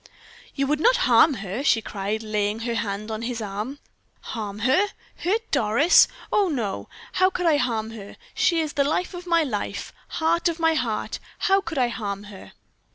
"You would not harm her!" she cried, laying her hand on his arm. "Harm her! hurt Doris! Oh, no! how could I harm her? She is life of my life, heart of my heart! How could I harm her?"